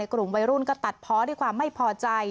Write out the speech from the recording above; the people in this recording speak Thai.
กลุ่มวัยรุ่นก็ตัดเพาะด้วยความไม่พอใจ